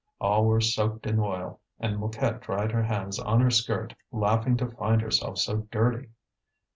All were soaked in oil, and Mouquette dried her hands on her skirt, laughing to find herself so dirty.